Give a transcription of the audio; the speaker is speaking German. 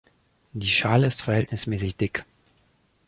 Die Schale ist verhältnismäßig dick.